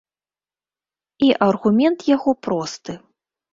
І аргумент яго просты.